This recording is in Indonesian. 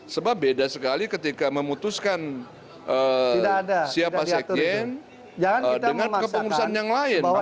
sebab beda sekali ketika memutuskan siapa sekjen dengan kepengurusan yang lain